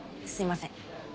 すみません。